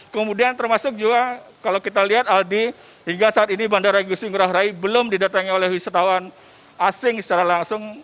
kemudian termasuk juga kalau kita lihat aldi hingga saat ini bandara igusti ngurah rai belum didatangi oleh wisatawan asing secara langsung